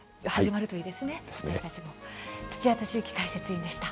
土屋敏之解説委員でした。